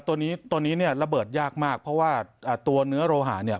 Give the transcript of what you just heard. ตัวนี้ตัวนี้เนี่ยระเบิดยากมากเพราะว่าตัวเนื้อโลหะเนี่ย